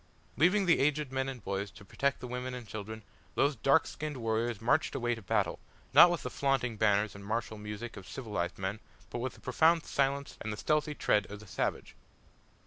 Leaving the aged men and boys to protect the women and children, those dark skinned warriors marched away to battle not with the flaunting banners and martial music of civilised man, but with the profound silence and the stealthy tread of the savage.